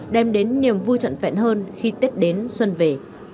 đem đến niềm vui trận phẹn hơn khi tết đến xuân về